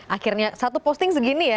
akhirnya satu posting segini ya